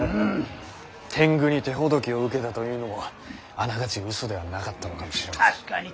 天狗に手ほどきを受けたというのもあながち嘘ではなかったのかもしれませんね。